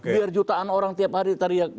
biar jutaan orang tiap hari teriak